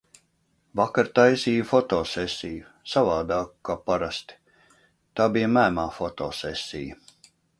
Vakar taisīju fotosesiju. Savādāku kā parasti. Tā bija mēmā fotosesija.